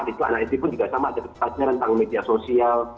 di kelas anak sd pun juga sama ada belajar tentang media sosial